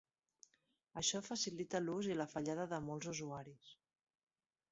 Això facilita l'ús i la fallada de molts usuaris.